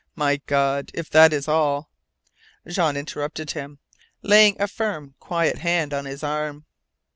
My God, if that is all " Jean interrupted him, laying a firm, quiet hand on his arm.